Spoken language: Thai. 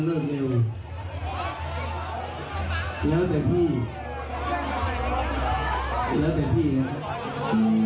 แล้วแต่พี่นะครับ